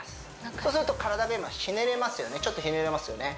そうすると体が今ひねれますよねちょっとひねれますよね